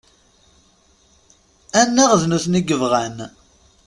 Anaɣ d nutni i yebɣan?